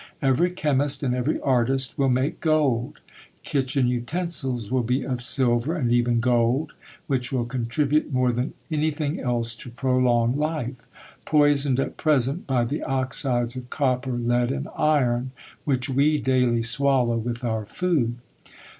Every chemist and every artist will make gold; kitchen utensils will be of silver, and even gold, which will contribute more than anything else to prolong life, poisoned at present by the oxides of copper, lead, and iron, which we daily swallow with our food."